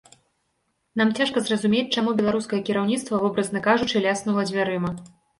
Нам цяжка зразумець, чаму беларускае кіраўніцтва, вобразна кажучы, ляснула дзвярыма.